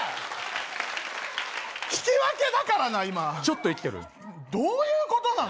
引き分けだからな今ちょっと生きてるどういうことなの？